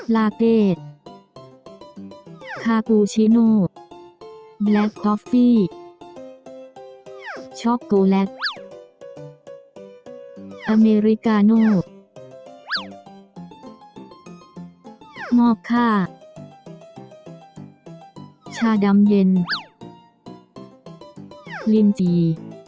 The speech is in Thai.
ลินจี